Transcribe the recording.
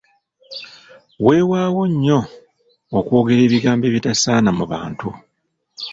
Weewaawo nnyo okwogera ebigambo ebitasaana mu bantu.